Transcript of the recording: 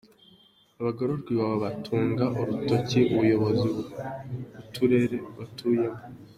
Abagarurwa Iwawa batunga urutoki Ubuyobozi b’uturere batuyemo.